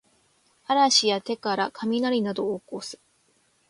嵐や手からかみなりなどをおこす